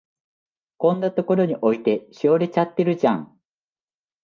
こんなとこに置いて、しおれちゃってるじゃん。